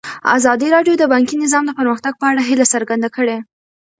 ازادي راډیو د بانکي نظام د پرمختګ په اړه هیله څرګنده کړې.